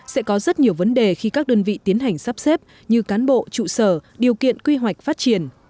sẽ có rất nhiều vấn đề khi các đơn vị tiến hành sắp xếp như cán bộ trụ sở điều kiện quy hoạch phát triển